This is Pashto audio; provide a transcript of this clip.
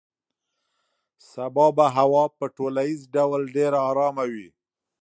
سبا به هوا په ټولیز ډول ډېره ارامه وي.